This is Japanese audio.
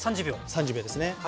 ３０秒ですね。